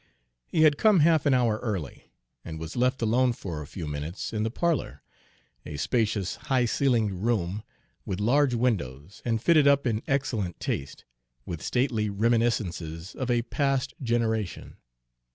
He had come half an hour early, and was left alone for a few minutes in the parlor, a spacious, high ceilinged room, with large windows, and fitted up in excellent taste, with stately reminiscences of a past generation.